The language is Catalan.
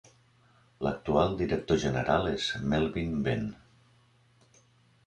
L'actual director general és Melvin Benn.